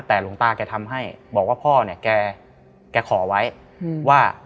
แต่หลวงตาแกทำให้บอกว่าพ่อเนี่ยแกขอไว้ว่า